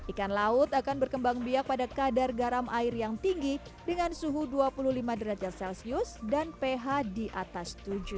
ikan laut akan berkembang biak pada kadar garam air yang tinggi dengan suhu dua puluh lima derajat celcius dan ph di atas tujuh